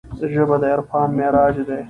ژبه د عرفان معراج دی